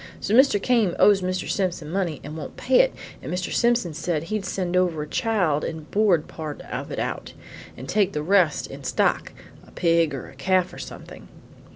So Mr. Came owes Mr. Simpson money and won't pay it, and Mr. Simpson said he'd send over a child and board part of it out, and take the rest in stock a pig or a calf or something."